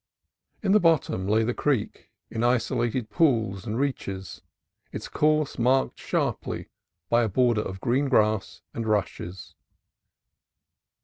In the bottom lay the creek, in isolated pools and reaches, its course marked sharply by a border of green grass and rushes.